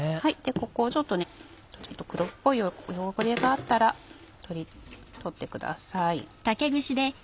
ここをちょっと黒っぽい汚れがあったら取ってください。